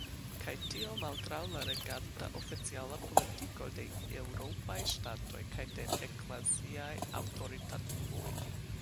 Kaj tio malgraŭ la reganta oficiala politiko de eŭropaj ŝtatoj kaj de ekleziaj aŭtoritatuloj.